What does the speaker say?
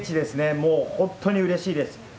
もう、本当にうれしいです。